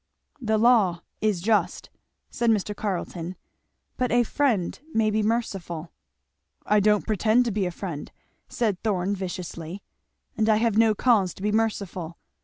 "The law is just," said Mr. Carleton, "but a friend may be merciful." "I don't pretend to be a friend," said Thorn viciously, "and I have no cause to be merciful.